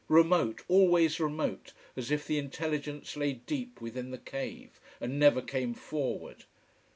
Remote, always remote, as if the intelligence lay deep within the cave, and never came forward.